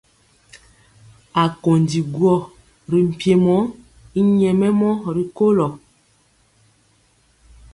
Akondi guɔ ri mpiemɔ y nyɛmemɔ rikolo.